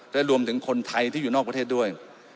และรวมถึงคนไทยที่อยู่นอกประเทศด้วย